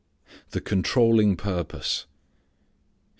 The Controlling Purpose.